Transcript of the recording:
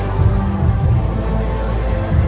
สโลแมคริปราบาล